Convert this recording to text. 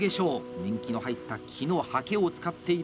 年季の入った木のハケを使っている！